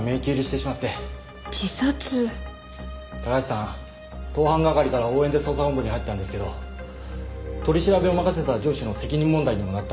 高橋さん盗犯係から応援で捜査本部に入ったんですけど取り調べを任せた上司の責任問題にもなったんだそうで。